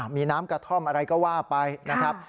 มีน้ำกระท่อมอะไรก็ว่าไปนะครับ